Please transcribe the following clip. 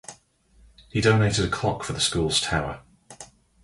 He donated a clock for the school's tower.